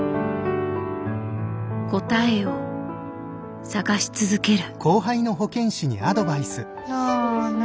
答えを探し続ける。